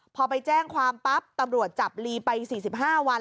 พอไปแจ้งความปั๊บตำรวจจับลีไป๔๕วัน